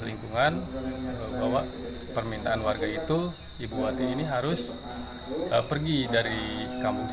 lingkungan bahwa permintaan warga itu ibu ati ini harus pergi dari kampung